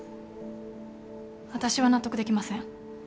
私は納得できません。